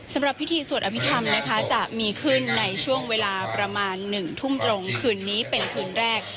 สำหรับพิธีสวดอภิษฐรรมนะคะจะมีขึ้นในช่วงเวลาประมาณ๑ทุ่มตรงคืนนี้เป็นคืนแรก